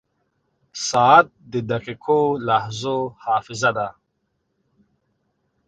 • ساعت د دقیقو لحظو حافظه ده.